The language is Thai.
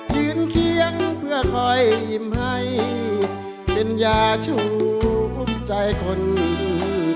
ยืนเคียงเพื่อคอยยิ้มให้เป็นยาชูภูมิใจคน